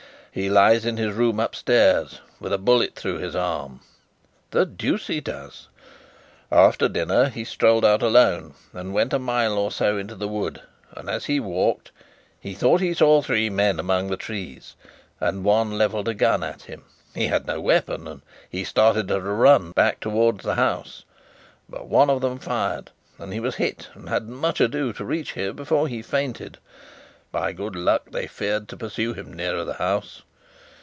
"He lies in his room upstairs, with a bullet through his arm." "The deuce he does!" "After dinner he strolled out alone, and went a mile or so into the wood; and as he walked, he thought he saw three men among the trees; and one levelled a gun at him. He had no weapon, and he started at a run back towards the house. But one of them fired, and he was hit, and had much ado to reach here before he fainted. By good luck, they feared to pursue him nearer the house."